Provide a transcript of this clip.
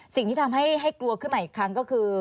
สิ่งที่ทำให้กลัวขึ้นมาอีกครั้งก็คือ